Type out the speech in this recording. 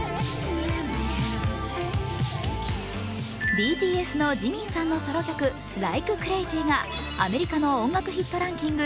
ＢＴＳのＪＩＭＩＮさんのソロ曲、「ＬｉｋｅＣｒａｚｙ」がアメリカの音楽ヒットランキング